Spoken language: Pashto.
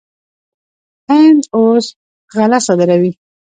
هند اوس غله صادروي.